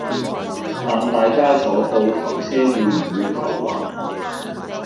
但大家坐倒頭車會唔會頭暈